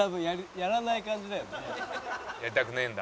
「やりたくねえんだ」